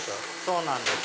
そうなんです。